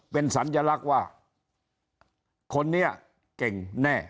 เป็นสัญลักษณ์ว่าคนนี้เก่งแน่